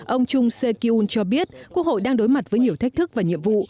ông chung se kyung cho biết quốc hội đang đối mặt với nhiều thách thức và nhiệm vụ